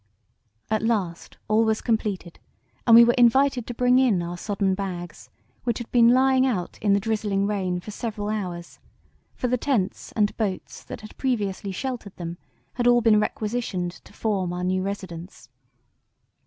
"At last all was completed and we were invited to bring in our sodden bags, which had been lying out in the drizzling rain for several hours; for the tents and boats that had previously sheltered them had all been requisitioned to form our new residence.